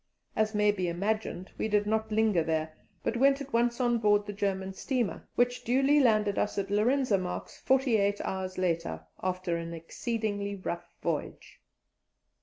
As may be imagined, we did not linger there, but went at once on board the German steamer, which duly landed us at Lorenzo Marques forty eight hours later, after an exceedingly rough voyage.